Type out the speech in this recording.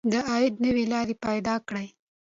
د عاید نوې لارې پیدا کړئ.